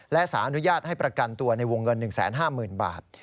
และสารอนุญาตให้ประกันตัวในวงเงิน๑๕๐๐๐บาท